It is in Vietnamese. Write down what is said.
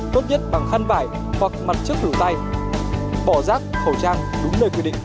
tốt nhất bằng khăn vải hoặc mặt trước đủ tay bỏ rác khẩu trang đúng nơi quy định